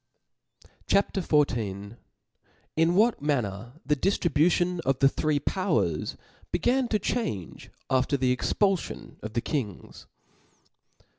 CHAP. XIV. Jn what manner the dijlribution of the three Powers began to change after the Expulfion of the Kings.